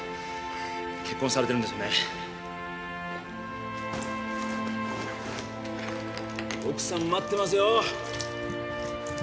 結婚されてるんですよね奥さん待ってますよ